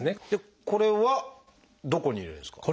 これはどこに入れるんですか？